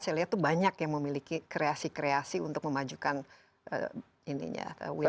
saya lihat tuh banyak yang memiliki kreasi kreasi untuk memajukan wisata